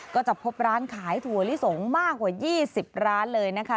ก็จะพบร้านขายถั่วลิสงมากกว่า๒๐ร้านเลยนะคะ